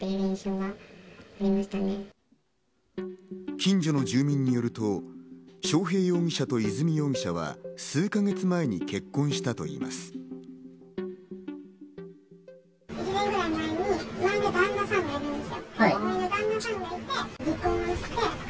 近所の住民によると、章平容疑者と和美容疑者は数か月前に結婚したといいます。